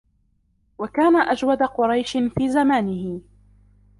وَكَانَ أَجْوَدَ قُرَيْشٍ فِي زَمَانِهِ